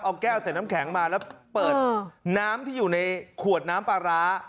เอาแก้วใส่น้ำแข็งมาแล้วเปิดน้ำที่อยู่ในขวดน้ำปลาร้า